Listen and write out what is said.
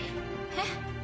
えっ？